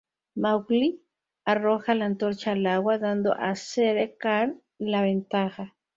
Mowgli arroja la antorcha al agua, dando a Shere Khan la ventaja.